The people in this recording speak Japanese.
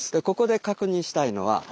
ここで確認したいのは。